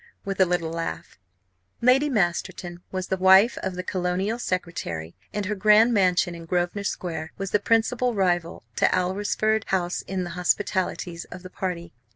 with a little laugh. Lady Masterton was the wife of the Colonial Secretary, and her grand mansion in Grosvenor Square was the principal rival to Alresford House in the hospitalities of the party.